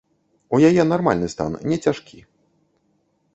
У яе нармальны стан, не цяжкі.